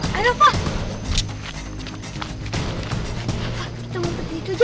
kita muntah di situ aja